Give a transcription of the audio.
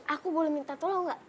aku boleh minta tolong gak